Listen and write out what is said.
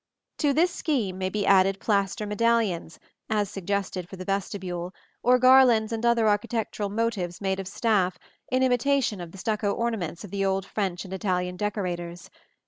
To this scheme may be added plaster medallions, as suggested for the vestibule, or garlands and other architectural motives made of staff, in imitation of the stucco ornaments of the old French and Italian decorators.